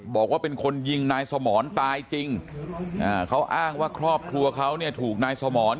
บอกว่าเป็นคนยิงนายสมรตายจริงเขาอ้างว่าครอบครัวเขาเนี่ยถูกนายสมร